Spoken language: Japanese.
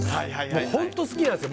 本当好きなんですよ。